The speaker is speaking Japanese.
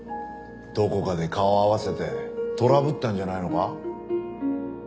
どこかで顔を合わせてトラブったんじゃないのか？